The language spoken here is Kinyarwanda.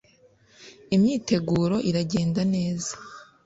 …imyiteguro iragenda neza